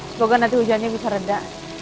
semoga nanti hujannya bisa reda